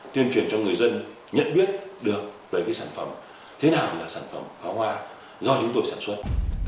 tuyên truyền cho người dân nhận biết được về sản phẩm thế nào là sản phẩm pháo hoa do chúng tôi sản xuất